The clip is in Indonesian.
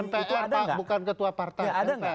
mpr bukan ketua partai